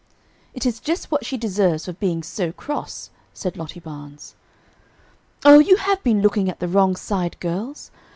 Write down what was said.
"It is just what she deserves for being so cross," said Lottie Barnes. "Oh, you have been looking at the wrong side, girls.